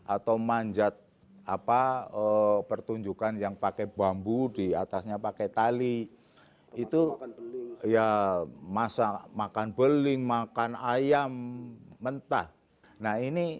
atau manjat pertunjukan yang pakai bambu diatasnya pertunjukan